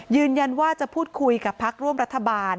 ยืนยันว่าจะพูดคุยกับพักร่วมรัฐบาล